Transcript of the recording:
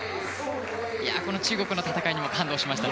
中国の戦いにも感動しました。